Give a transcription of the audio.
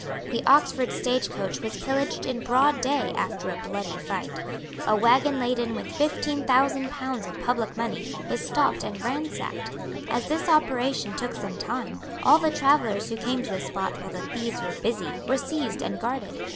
The Oxford stage coach was pillaged in broad day after a bloody fight. A waggon laden with fifteen thousand pounds of public money was stopped and ransacked. As this operation took some time, all the travellers who came to the spot while the thieves were busy were seized and guarded.